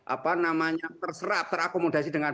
apa namanya terserap terakomodasi dengan